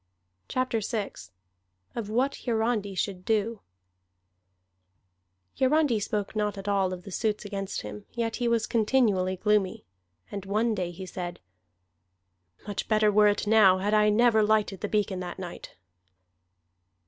CHAPTER VI OF WHAT HIARANDI SHOULD DO Hiarandi spoke not at all of the suits against him, yet he was continually gloomy. And one day he said: "Much better were it now, had I never lighted the beacon that night."